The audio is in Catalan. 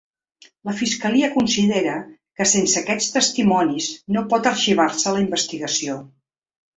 La fiscalia considera que sense aquests testimonis no pot arxivar-se la investigació.